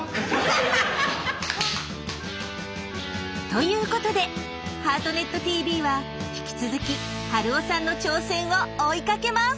ということで「ハートネットＴＶ」は引き続き春雄さんの挑戦を追いかけます！